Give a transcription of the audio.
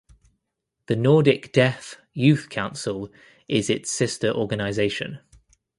The Nordic Deaf Youth Council is its sister organization.